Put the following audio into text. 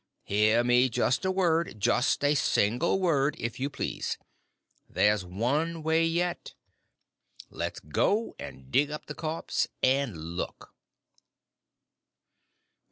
_ Hear me just a word—just a single word—if you PLEASE! There's one way yet—let's go and dig up the corpse and look."